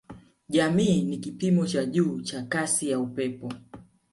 Jamii ni kipimo cha juu cha kasi ya upepo